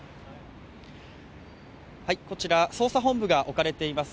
こちら捜査本部が置かれています